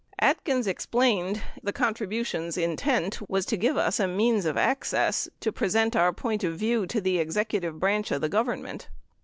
Atkins explained "its (contribution) intention was to give us a means of access to present our point of view to the executive branch of the Government.